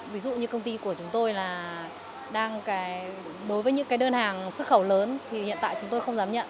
ví dụ như công ty của chúng tôi là đang đối với những cái đơn hàng xuất khẩu lớn thì hiện tại chúng tôi không dám nhận